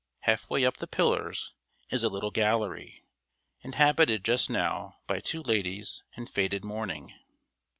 Half way up the pillars is a little gallery, inhabited just now by two ladies in faded mourning.